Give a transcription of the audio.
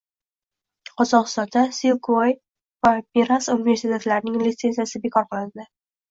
Qozog‘istonda “Silkway” va “Miras” universitetlarining litsenziyasi bekor qilindi